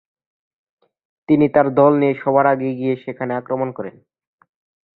তিনি তার দল নিয়ে সবার আগে গিয়ে সেখানে আক্রমণ করেন।